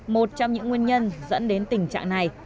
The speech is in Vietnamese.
một trong những nguyên nhân dẫn đến tình trạng này